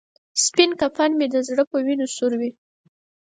سپین کفن مې د زړه په وینو به سور وي.